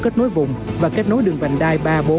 kết nối vùng và kết nối đường vành đai ba bốn